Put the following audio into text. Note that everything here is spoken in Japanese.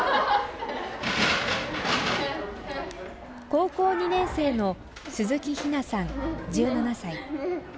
高校２年生の鈴木陽菜さん１７歳。